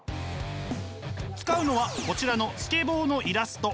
使うのはこちらのスケボーのイラスト。